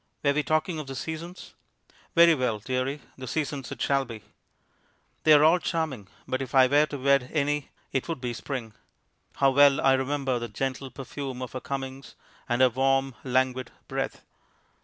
Were we talking of the seasons? Very well, dearie, the seasons it shall be. They are all charming, but if I were to wed any it would be Spring. How well I remember the gentle perfume of her comings, and her warm, languid breath!